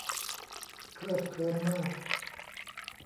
เคลิบเคลิ้มมาก